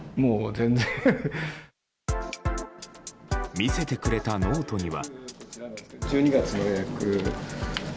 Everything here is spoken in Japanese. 見せてくれたノートには。